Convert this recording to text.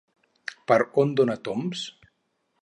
Per on dona tombs?